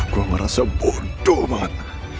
gue ngerasa bodoh banget